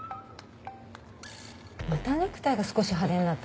またネクタイが少し派手になったんじゃない？